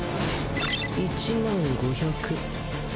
１０，５００。